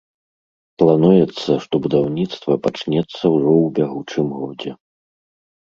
Плануецца, што будаўніцтва пачнецца ўжо ў бягучым годзе.